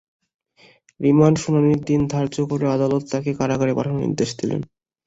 Remand শুনানির দিন ধার্য করে আদালত তাঁকে কারাগারে পাঠানোর নির্দেশ দেন।